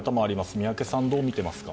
宮家さん、どう見ていますか？